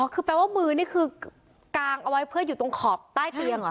คือแปลว่ามือนี่คือกางเอาไว้เพื่ออยู่ตรงขอบใต้เตียงเหรอ